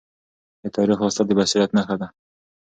د تاریخ لوستل د بصیرت نښه ده.